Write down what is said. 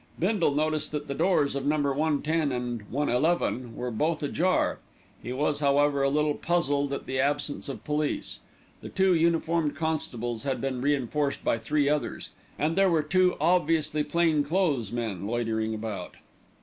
Bindle noticed that the doors of Number 110 and 111 were both ajar. He was, however, a little puzzled at the absence of police. The two uniformed constables had been reinforced by three others, and there were two obviously plain clothes men loitering about.